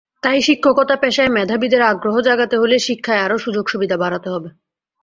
তাই শিক্ষকতা পেশায় মেধাবীদের আগ্রহ জাগাতে হলে শিক্ষায় আরও সুযোগ-সুবিধা বাড়াতে হবে।